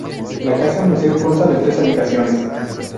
La casa-museo consta de tres habitaciones.